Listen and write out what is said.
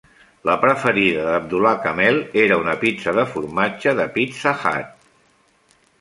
La preferida d'Abdullah Kamel era una pizza de formatge de Pizza Hut.